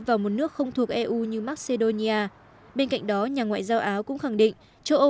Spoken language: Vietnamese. vào một nước không thuộc eu như macedonia bên cạnh đó nhà ngoại giao áo cũng khẳng định châu âu